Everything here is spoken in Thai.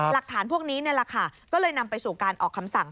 หลักฐานพวกนี้ก็เลยนำไปสู่การออกคำสั่ง